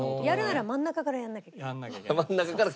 やるなら真ん中からやらなきゃ。